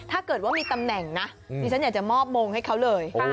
ถ้าเกิดว่ามีตำแหน่งนะดิฉันอยากจะมอบมงให้เขาเลย